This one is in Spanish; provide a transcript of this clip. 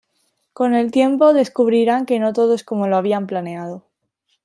Con el tiempo descubrirán que no todo es como lo habían planeado.